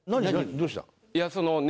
どうした？